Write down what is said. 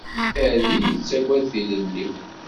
Armi yettaggad tilelli.